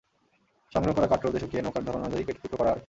সংগ্রহ করা কাঠ রোদে শুকিয়ে নৌকার ধরন অনুযায়ী কেটে টুকরো করা হয়।